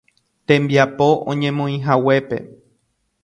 Tembiapo oñemoĩhaguépe.